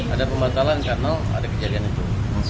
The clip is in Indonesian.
ada pembatalan karena ada kejadian itu